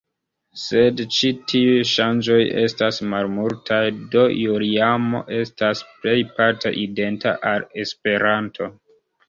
Sed ĉi tiuj ŝanĝoj estas malmultaj, do Juliamo estas plejparte identa al Esperanto.